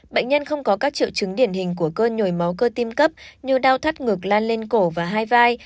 bệnh nhân không có các triệu chứng điển hình của cơn nhồi máu cơ tim cấp như đau thắt ngực lan lên cổ và hai vai